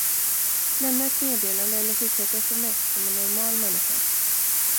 Lämna ett meddelande eller skicka ett sms som en normal människa.